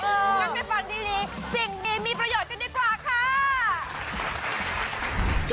งั้นไปฟังดีสิ่งดีมีประโยชน์กันดีกว่าค่ะ